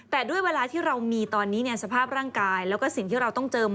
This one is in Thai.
แต่ด้วยเมื่อที่เรามีสภาพรั่งกายแล้วก็สิ่งที่เราต้องเจอ